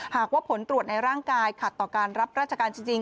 หากว่าผลตรวจในร่างกายขัดต่อการรับราชการจริง